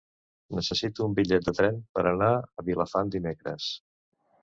Necessito un bitllet de tren per anar a Vilafant dimecres.